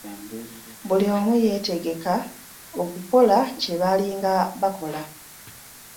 Buli omu yeetegeka okukola kye baalinga bakola.